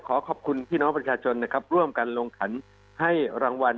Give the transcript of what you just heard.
ขอขอบคุณพี่น้องประชาชนนะครับร่วมกันลงขันให้รางวัล